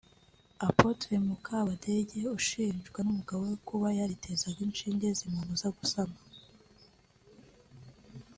Apotre Mukabadege ushinjwa n'umugabo we kuba yaritezaga inshinge zimubuza gusama